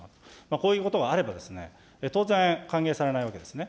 こういうことがあると、当然、歓迎されないわけですね。